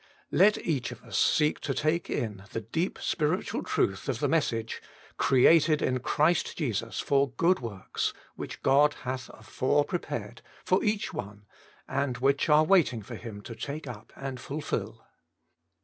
Let each of us seek to take in the deep spiritual truth of the m.essage, ' Created in Christ Jesus for good zvorks, zvhich God hath afore prepared' for each one, and which are waiting for him to take up and fulfil.